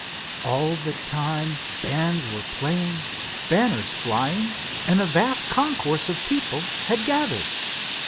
All the time bands were playing, banners flying, and a vast concourse of people had gathered.